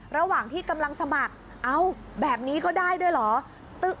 ระหว่างที่กำลังสมัครเอ้าแบบนี้ก็ได้ด้วยเหรอ